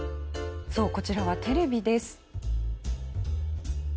そうこちらはテレビです。